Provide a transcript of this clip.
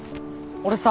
俺さ